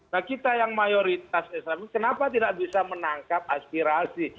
nah kita yang mayoritas islam kenapa tidak bisa menangkap aspirasi